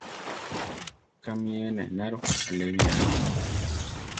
¿Kámi ena enaro alé bianki?